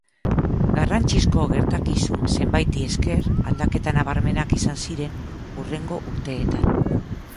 Garrantzizko gertakizun zenbaiti esker, aldaketa nabarmenak izan ziren hurrengo urteetan.